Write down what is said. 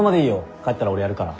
帰ったら俺やるから。